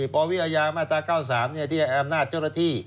ปวิอาญามาตรา๙๓ที่ให้อำนาจเจ้าหน้าที่